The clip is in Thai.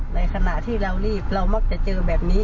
ในขณะที่เรารีบเรามักจะเจอแบบนี้